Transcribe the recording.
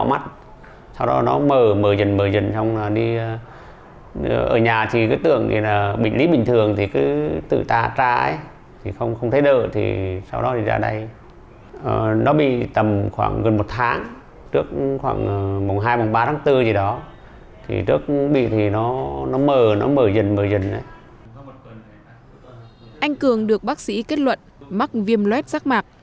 anh cường được bác sĩ kết luận mắc viêm loét rác mạc